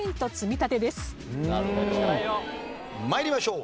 参りましょう。